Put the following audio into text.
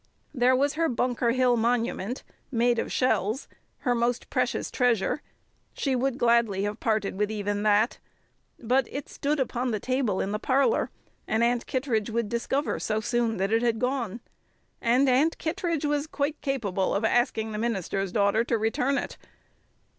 There was her Bunker Hill monument, made of shells, her most precious treasure; she would gladly have parted with even that, but it stood upon the table in the parlour, and Aunt Kittredge would discover so soon that it had gone. And Aunt Kittredge was quite capable of asking the minister's daughter to return it.